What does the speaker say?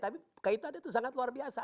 tapi kaitannya itu sangat luar biasa